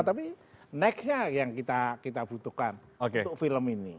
tapi nextnya yang kita butuhkan untuk film ini